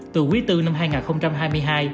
từ quý tư năm hai nghìn hai mươi hai